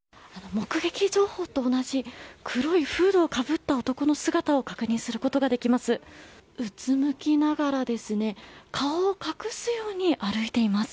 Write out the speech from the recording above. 目撃情報と同じ黒いフードをかぶった男の姿を確認することができます。